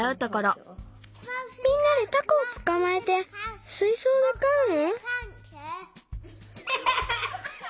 みんなでタコをつかまえてすいそうでかうの？